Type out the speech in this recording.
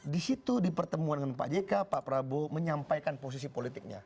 di situ di pertemuan dengan pak jk pak prabowo menyampaikan posisi politiknya